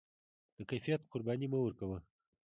د کیفیت قرباني مه ورکوه.